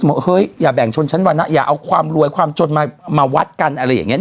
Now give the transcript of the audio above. สมมุติเฮ้ยอย่าแบ่งชนชั้นวรรณะอย่าเอาความรวยความชนมามาวัดกันอะไรอย่างเงี้ย